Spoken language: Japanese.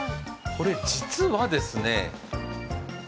これ実はですね